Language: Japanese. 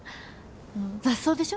あの雑草でしょ？